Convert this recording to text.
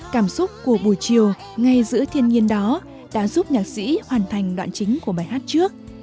cảm xúc của buổi chiều ngay giữa thiên nhiên đó đã giúp nhạc sĩ hoàn thành đoạn chính của bài hát trước